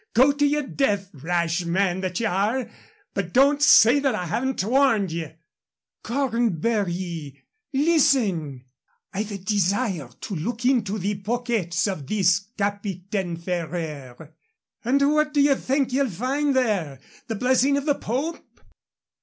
Go to your death, rash man that ye are, but don't say that I haven't warned ye." "Cornbury, listen. I've a desire to look into the pockets of this Capitaine Ferraire." "And what do ye think ye'll find there the blessing of the Pope?"